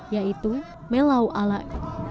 yaitu melau alat